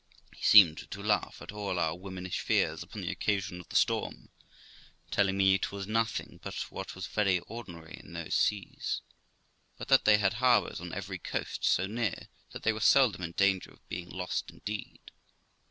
He seemed to laugh at all our womanish fears upon the occasion of the storm, telling me it was nothing but what was very ordinary in those seas, but that they had harbours on every coast so near that they were seldom in danger of being lost indeed.